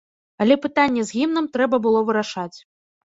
Але пытанне з гімнам трэба было вырашаць.